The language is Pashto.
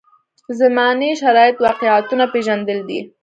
زمانې شرایط واقعیتونه پېژندل دي.